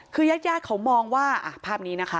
คือญาติเขามองว่าภาพนี้นะคะ